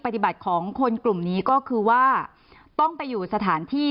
ปฏิบัติของคนกลุ่มนี้ก็คือว่าต้องไปอยู่สถานที่